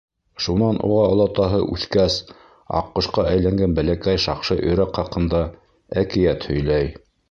Шунан уға олатаһы үҫкәс аҡҡошҡа әйләнгән бәләкәй шаҡшы өйрәк хаҡында әкиәт һөйләй.